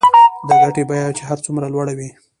د ګټې بیه چې هر څومره لوړه وي